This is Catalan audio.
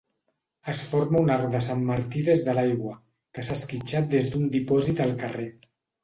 Es forma un arc de Sant Martí des de l'aigua que s'ha esquitxat des d'un dipòsit al carrer